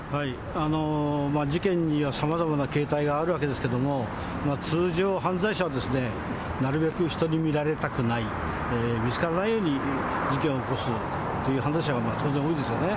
事件にはさまざまな形態があるわけですけれども、通常、犯罪者はなるべく人に見られたくない、見つからないように事件を起こすという犯罪者が当然多いんですね。